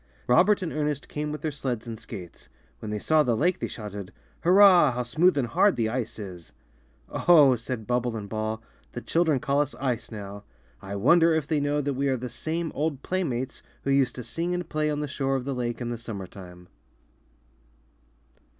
Robert and Ernest came with their sleds and skates. When they saw the lake they shouted, '^Hurrah! how smooth and hard the ice is!" '^Oh!" said Bubble and Ball, ^'the chil dren call us ice now. I wonder if they know that we are the same old playmates who used to sing and play on the shore of the lake in the summer time."